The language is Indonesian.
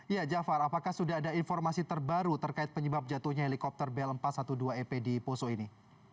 ya jafar apakah sudah ada informasi terbaru terkait penyebab jatuhnya helikopter bel empat ratus dua belas ep di poso ini